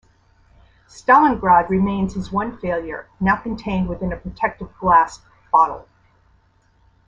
Stalingrad remains his one failure, now contained within a protective glass "bottle".